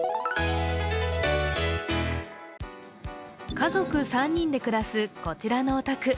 家族３人で暮らす、こちらのお宅。